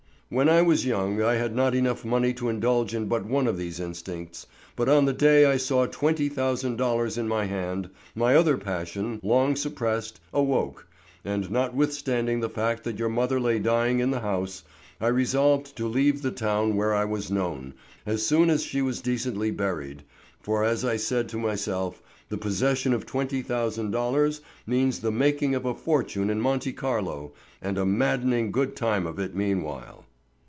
When I was young I had not enough money to indulge in but one of these instincts, but on the day I saw twenty thousand dollars in my hand, my other passion, long suppressed, awoke, and notwithstanding the fact that your mother lay dying in the house, I resolved to leave the town where I was known as soon as she was decently buried, for as I said to myself, the possession of twenty thousand dollars means the making of a fortune in Monte Carlo, and a maddening good time of it meanwhile.